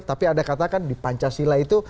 tapi anda katakan di pancasila itu